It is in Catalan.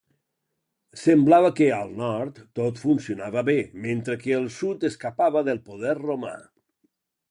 Semblava que, al nord, tot funcionava bé mentre que el sud escapava del poder romà.